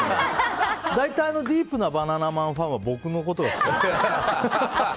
大体、ディープなバナナマンファンは僕のことが好きなんですよ。